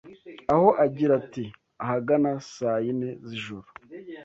aho agira ati ahagana saa yine z’ijoro